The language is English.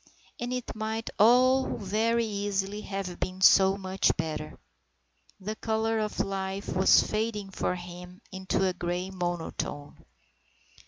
And it might all very easily have been so much better. The colour of life was fading for him into a grey monotone.